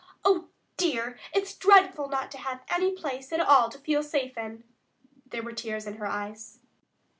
Oh, dear, it's dreadful not to have any place at all to feel safe in." There were tears in her eyes.